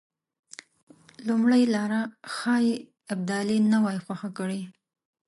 لومړۍ لاره ښایي ابدالي نه وای خوښه کړې.